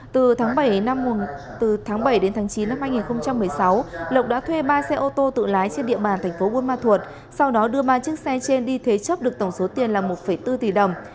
từ tháng bảy đến tháng chín năm hai nghìn một mươi sáu lộc đã thuê ba xe ô tô tự lái trên địa bàn thành phố buôn ma thuột sau đó đưa ba chiếc xe trên đi thế chấp được tổng số tiền là một bốn tỷ đồng